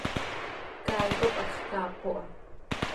Caay cop hacx caap oo ha.